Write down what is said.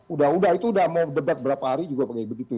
udah udah itu udah mau debat berapa hari juga pakai begitu